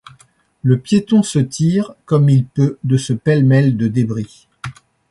Le piéton se tire comme il peut de ce pêle-mêle de débris.